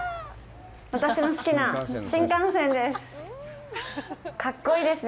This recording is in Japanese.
私の好きな新幹線です。